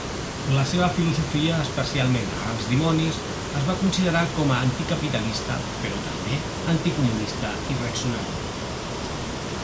La seva filosofia, especialment a "Els dimonis", es va considerar com a anticapitalista, però també anticomunista i reaccionària.